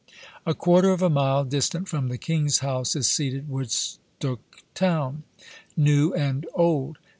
A quarter of a mile distant from the King's house, is seated Woodstook town, new and old.